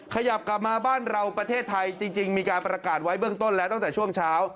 ขยับกลับมาบ้านเราประเทศไทยจริงมีการประกาศไว้เบื้องต้นแล้วตั้งแต่ช่วงเช้า